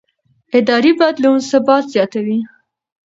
اداري بدلون ثبات زیاتوي